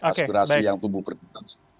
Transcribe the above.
aspirasi yang tumbuh berkembang